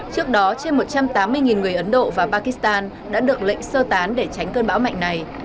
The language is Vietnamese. trước đó trên một trăm tám mươi người ấn độ và pakistan đã được lệnh sơ tán để tránh cơn bão mạnh này